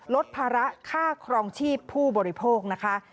ลดภาระค่าครองชีพผู้บริโภคนะคะ